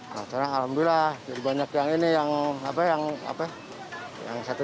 nah sekarang alhamdulillah banyak yang ini yang setting setting gitu tuh